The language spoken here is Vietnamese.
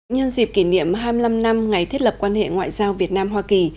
nhân dịp kỷ niệm hai mươi năm năm ngày thiết lập quan hệ ngoại giao việt nam hoa kỳ